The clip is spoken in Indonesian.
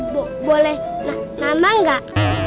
pak rt boleh nambah gak